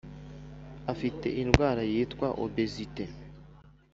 Afite indwara yitwa obesite